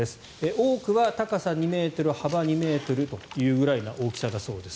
多くは高さ２ｍ幅２ｍというぐらいの大きさだそうです。